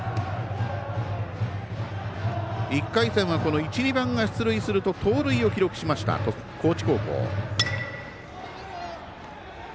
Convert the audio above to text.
１回戦は、１、２番が出塁すると盗塁を記録しました、高知高校。